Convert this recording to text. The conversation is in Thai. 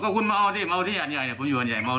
ก็คุณมาเอาที่มาเอาที่อันใหญ่น่ะผมอยู่อันใหญ่มาเอา